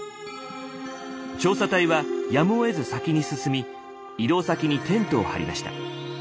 調査隊はやむをえず先に進み移動先にテントを張りました。